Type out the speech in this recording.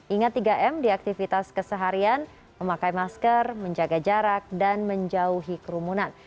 ingat tiga m di aktivitas keseharian memakai masker menjaga jarak dan menjauhi kerumunan